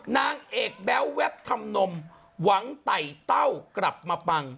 นางเอกแบ๊วแวบทำนมหวังไต่เต้ากลับมาปัง